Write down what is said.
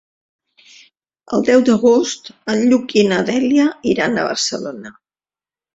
El deu d'agost en Lluc i na Dèlia iran a Barcelona.